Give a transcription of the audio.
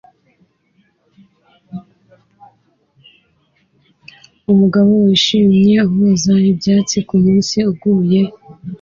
Umugabo wishimye uhuza ibyatsi kumunsi uguye